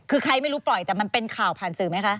คือใครไม่รู้ปล่อยแต่มันเป็นข่าวผ่านสื่อไหมคะ